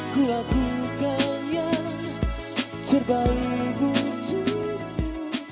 ku lakukan yang terbaik untukmu